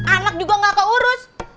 anak juga gak keurus